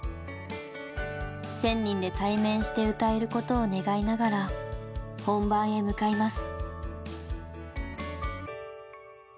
１，０００人で対面して歌えることを願いながら本番へ向かいます。